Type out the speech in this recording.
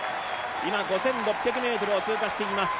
今、５６００ｍを通過していきます。